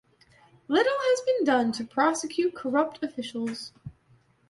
Little has been done to prosecute corrupt officials.